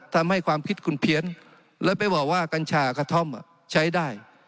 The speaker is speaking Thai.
ทำให้ความคิดคุณเพี้ยนแล้วไปบอกว่ากัญชากระท่อมใช้ได้